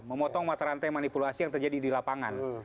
memotong mata rantai manipulasi yang terjadi di lapangan